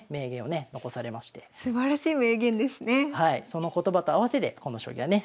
その言葉と合わせてこの将棋はね